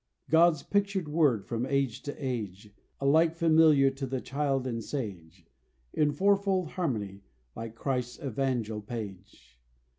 God's pictured Word, from age to age; Alike familiar to the child and sage In fourfold harmony; like Christ's Evangel page.